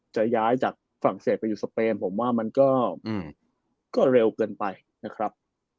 จะย้ายจากฝรั่งเศสไปอยู่สเปนผมว่ามันก็เร็วเกินไปนะครับ